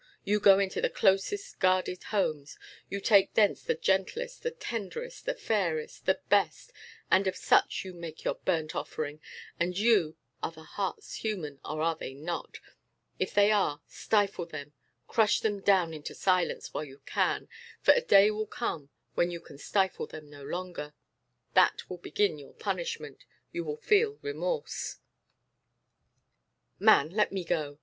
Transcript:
You go into the closest guarded homes; you take thence the gentlest, the tenderest, the fairest, the best, and of such you make your burnt offering. And you are your hearts human, or are they not? If they are, stifle them, crush them down into silence while you can; for a day will come when you can stifle them no longer. That will begin your punishment. You will feel remorse." "Man, let me go!"